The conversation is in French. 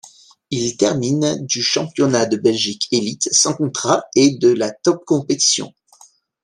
Il termine du championnat de Belgique élites sans contrat et de la Topcompétition.